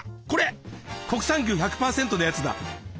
これ国産牛１００％のやつだ！